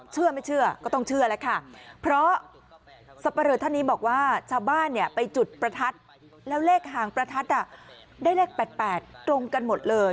จุดประทัดแล้วเลขหางประทัดได้เลขแปดแปดตรงกันหมดเลย